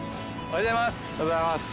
おはようございます。